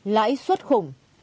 lãi suất khủng